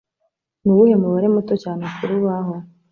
Nuwuhe mubare muto cyane kurubaho?